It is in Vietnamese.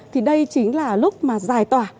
thì đây chính là lúc mà giải tỏa